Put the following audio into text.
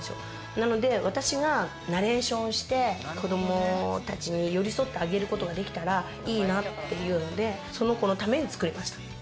なので私がナレーションをして、子供たちに寄り添ってあげることができたらいいなって言うので、その子のために作りました。